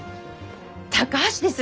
高橋です。